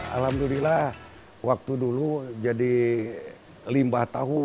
alhamdulillah waktu dulu jadi limbah tahu